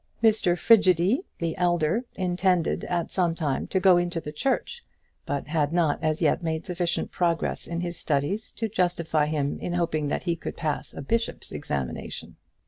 Mr Frigidy, the elder, intended at some time to go into the Church, but had not as yet made sufficient progress in his studies to justify him in hoping that he could pass a bishop's examination.